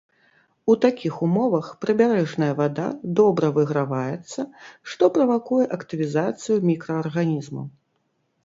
У такіх умовах прыбярэжная вада добра выграваецца, што правакуе актывізацыю мікраарганізмаў.